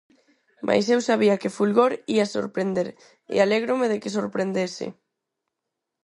Mais eu sabía que 'Fulgor' ía sorprender, e alégrome de que sorprendese.